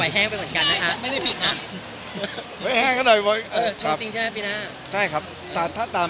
จะไม่รู้แม่ของฉันใช่เรา